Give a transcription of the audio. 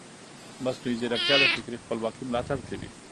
مصنوعي ځیرکتیا د فکري خپلواکۍ ملاتړ کوي.